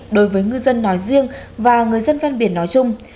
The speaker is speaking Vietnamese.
đối với ngư dân nói riêng và người dân ven biển nói chung